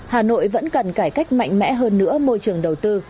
hà nội vẫn cần cải cách mạnh mẽ hơn nữa môi trường đầu tư